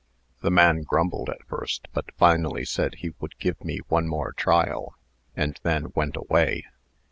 The man grumbled at first, but finally said he would give me one more trial, and then went away.